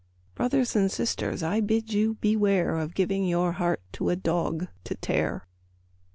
Brothers and sisters, I bid you beware Of giving your heart to a dog to tear.